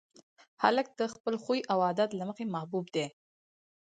هلک د خپل خوی او عادت له مخې محبوب دی.